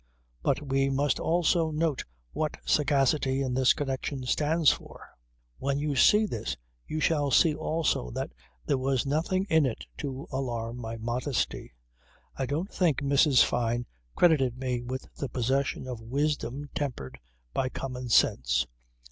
But we must also note what sagacity in this connection stands for. When you see this you shall see also that there was nothing in it to alarm my modesty. I don't think Mrs. Fyne credited me with the possession of wisdom tempered by common sense.